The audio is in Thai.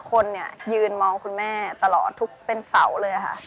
ชื่องนี้ชื่องนี้ชื่องนี้ชื่องนี้ชื่องนี้ชื่องนี้